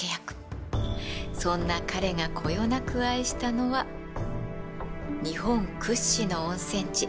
そんな彼がこよなく愛したのは日本屈指の温泉地